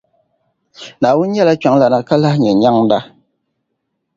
Naawuni nyɛla Kpεŋlana, ka lahi Nye Nyεŋda.